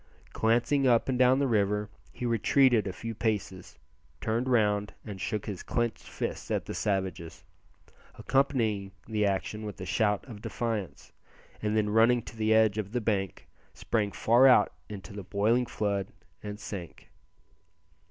Glancing up and down the river he retreated a few paces, turned round and shook his clenched fist at the savages, accompanying the action with a shout of defiance, and then running to the edge of the bank, sprang far out into the boiling flood and sank.